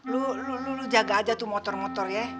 lu lu jaga aja tuh motor motor ya